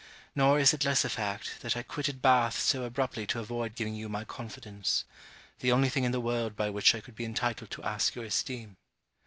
Nor is it less a fact, that I quitted Bath so abruptly to avoid giving you my confidence: the only thing in the world by which I could be entitled to ask your esteem.